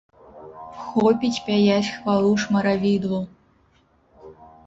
Хопіць пяяць хвалу шмаравідлу!